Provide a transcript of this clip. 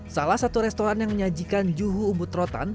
salah satu restoran yang menyajikan juhu ubud rotan